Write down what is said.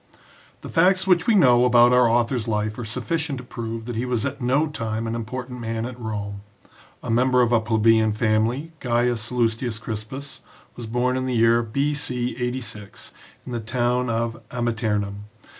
The facts which we know about our author's life are sufficient to prove that he was at no time an important man at Rome. A member of a plebeian family, Gaius Sallustius Crispus was born in the year B.C. 86 in the town of Amiternum.